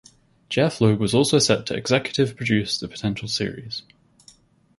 Jeph Loeb was also set to executive produce the potential series.